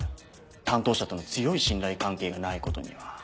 担当者との強い信頼関係がないことには。